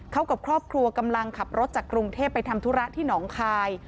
เขากับครอบครัวกำลังขับรถจากกรุงเทพไปทำธุระที่หนองคาย